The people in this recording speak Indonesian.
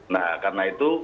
nah karena itu